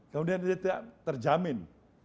kemudian dia tidak terjamin